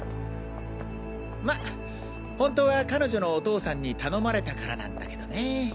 まぁ本当は彼女のお父さんに頼まれたからなんだけどね。